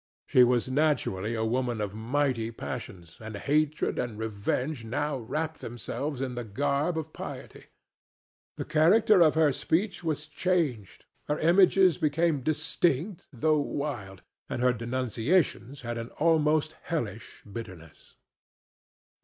She was naturally a woman of mighty passions, and hatred and revenge now wrapped themselves in the garb of piety. The character of her speech was changed; her images became distinct though wild, and her denunciations had an almost hellish bitterness.